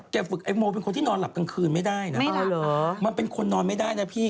ฝึกไอ้โมเป็นคนที่นอนหลับกลางคืนไม่ได้นะมันเป็นคนนอนไม่ได้นะพี่